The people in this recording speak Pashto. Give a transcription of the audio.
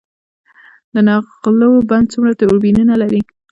د نغلو بند څومره توربینونه لري؟